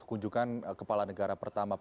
kunjungan kepala negara pertama